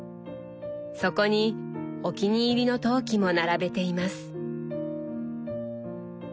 そこにお気に入りの陶器も並べています。